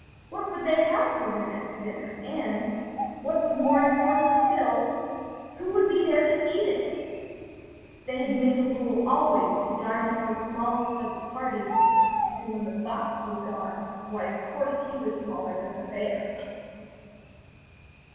What would they have for their next dinner, and, what was more important still, who would there be to eat it? They had made a rule always to dine off the smallest of the party, and when the fox was gone, why of course, he was smaller than the bear.